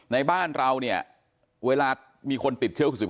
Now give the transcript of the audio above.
ในบ้านเราเวลามีคนติดเชื้อฮู๑๙